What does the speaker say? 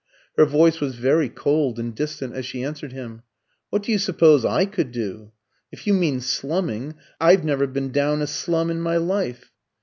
Her voice was very cold and distant as she answered him. "What do you suppose I could do? If you mean slumming, I've never been down a slum in my life."